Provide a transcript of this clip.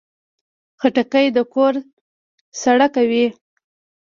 خټکی د کور سړه کوي.